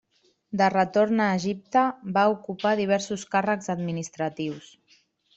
De retorn a Egipte va ocupar diversos càrrecs administratius.